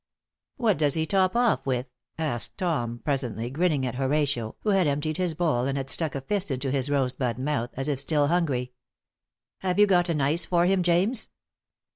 "What does he top off with?" asked Tom, presently, grinning at Horatio, who had emptied his bowl and had stuck a fist into his rosebud mouth, as if still hungry. "Have you got an ice for him, James?"